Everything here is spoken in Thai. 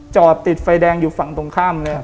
จอดติดไฟแดงอยู่ฝั่งตรงข้ามเลย